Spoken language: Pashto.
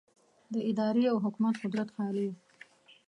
د ادارې او حکومت قدرت خالي و.